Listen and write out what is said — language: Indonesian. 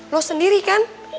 lo sendiri kan